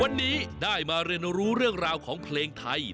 วันนี้ได้มาเรียนรู้เรื่องราวของเพลงไทย